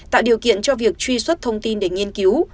tạo điều kiện cho việc truy xuất thông tin để nghiên cứu